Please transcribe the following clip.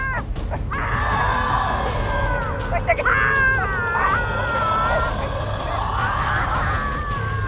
พาย